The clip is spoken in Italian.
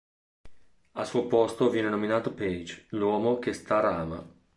Al suo posto, viene nominato Page, l'uomo che Star ama.